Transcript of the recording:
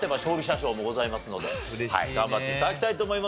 頑張って頂きたいと思いますが。